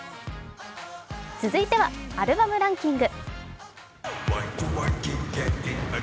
続いてはアルバムランキング。